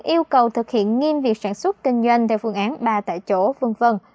yêu cầu thực hiện nghiêm việc sản xuất kinh doanh theo phương án ba tại chỗ v v